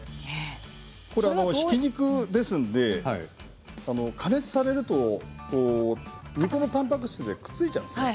ひき肉なので加熱されると肉のたんぱく質でくっついちゃうんですね。